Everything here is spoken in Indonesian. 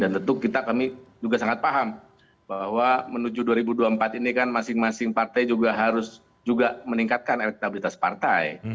tentu kita kami juga sangat paham bahwa menuju dua ribu dua puluh empat ini kan masing masing partai juga harus juga meningkatkan elektabilitas partai